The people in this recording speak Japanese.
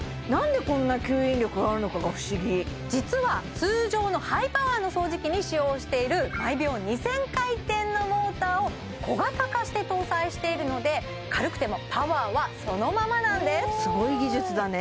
実は通常のハイパワーの掃除機に使用している毎秒２０００回転のモーターを小型化して搭載しているので軽くてもパワーはそのままなんですすごい技術だね